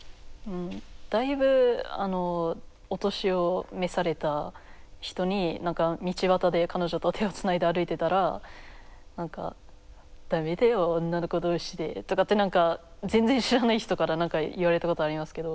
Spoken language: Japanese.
だいぶお年を召された人に何か道端で彼女と手をつないで歩いてたら何か「ダメだよ女の子同士で」とかって何か全然知らない人から何か言われたことはありますけど。